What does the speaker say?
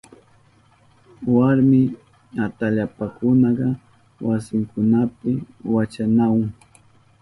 Warmi atallpakunaka wasinkunapi wachanahun.